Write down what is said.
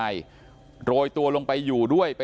ขอบคุณทุกคน